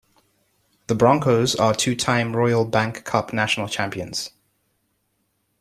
The Broncos are two-time Royal Bank Cup national champions.